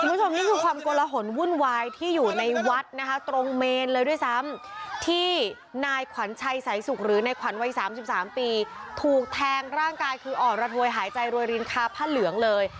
คุณผู้ชมนี่คือความโกลหนวุ่นวายที่อยู่ในวัดนะคะตรงเมนเลยด้วยซ้ำที่นายขวัญชัยสายสุขหรือในขวัญวัย๓๓ปีถูกแทงร่างกายคืออ่อนระทวยหายใจรวยรินคาผ้าเหลืองเลย